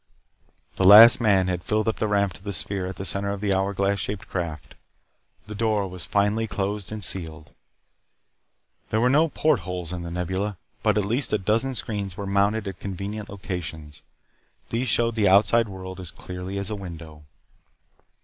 The last man had filed up the ramp to the sphere at the center of the hour glass shaped craft. The door was finally closed and sealed. There were no portholes in the Nebula. But at least a dozen screens were mounted at convenient locations. These showed the outside world as clearly as a window.